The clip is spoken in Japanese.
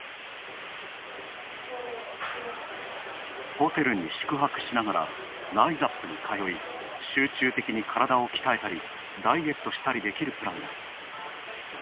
ホテルに宿泊しながらライザップに通い集中的に体を鍛えたりダイエットしたりできるプランです。